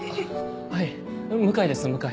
はい向井です向井。